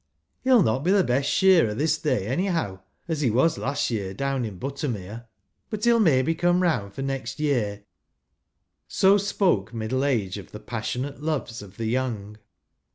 He 'll not be best shearer this day anyhow, as he was last year down in Buttermere ; but he 'll may be come round for next year." So spoke middle age of the passionate loves of the young.